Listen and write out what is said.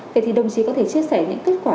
vậy thì đồng chí có thể chia sẻ những kết quả